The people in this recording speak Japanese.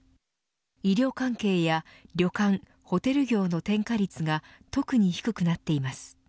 医療関係や旅館ホテル業の転嫁率が特に低くなっています。